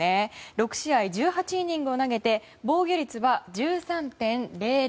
６試合１８イニングを投げて防御率は１３．００。